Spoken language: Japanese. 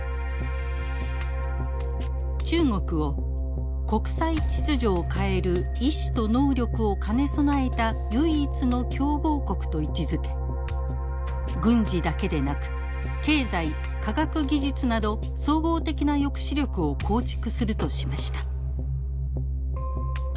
中国を国際秩序を変える意思と能力を兼ね備えた唯一の競合国と位置づけ軍事だけでなく経済科学技術など総合的な抑止力を構築するとしました。